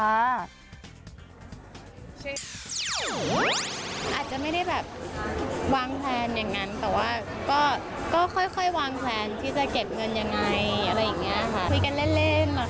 อาจจะไม่ได้แบบวางแผนอย่างนั้นแต่ว่าก็ค่อยวางแผนที่จะเก็บเงินอย่างไรอะไรอย่างนี้ค่ะ